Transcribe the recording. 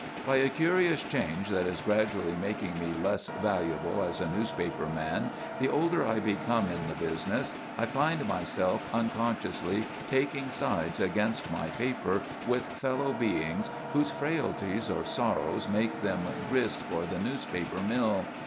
By a curious change that is gradually making me less valuable as a newspaper man the older I become in the business, I find myself unconsciously taking sides against my paper with fellow beings whose frailties or sorrows make them grist for the newspaper mill.